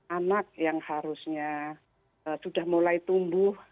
anak yang harusnya sudah mulai tumbuh